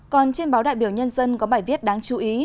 còn trên báo đại biểu nhân dân có bài viết đáng chú ý